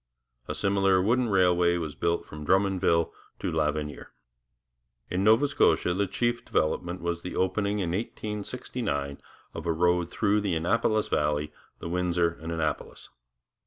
A similar wooden railway was built from Drummondville to L'Avenir. In Nova Scotia the chief local development was the opening in 1869 of a road through the Annapolis Valley, the Windsor and Annapolis.